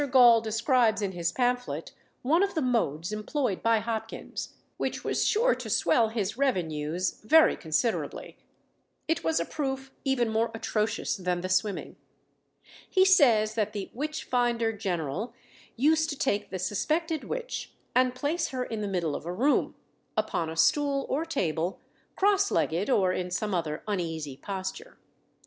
Gaul describes in his pamphlet one of the modes employed by Hopkins, which was sure to swell his revenues very considerably. It was a proof even more atrocious than the swimming. He says, that the "Witch finder General" used to take the suspected witch and place her in the middle of a room, upon a stool or table, cross legged, or in some other uneasy posture.